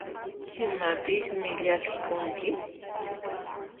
¿Imapiqmi llakikunki?